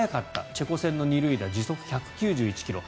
チェコ戦の２塁打時速１９１ｋｍ。